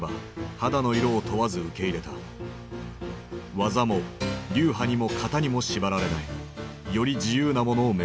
技も流派にも型にも縛られないより自由なものを目指した。